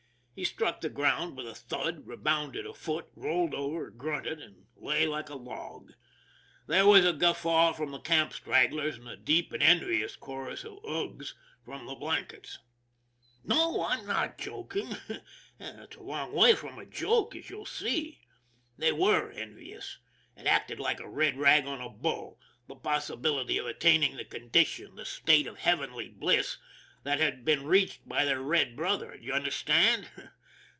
He struck the ground with a thud, rebounded a foot, rolled over, grunted, and lay like a log. There was a guffaw from the camp stragglers, and a deep and envious chorus of " Ughs !" from the " blankets." No, I'm not joking it's a long way from a joke, as you'll see. They were envious. It acted like a red rag on a bull the possibility of attaining the condi tion, the state of heavenly bliss, that had been reached by their red brother, do you understand